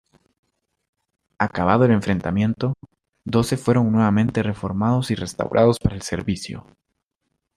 Acabado el enfrentamiento, doce fueron nuevamente reformados y restaurados para el servicio.